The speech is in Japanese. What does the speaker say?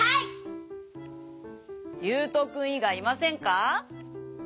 ゆうとくんいがいいませんか？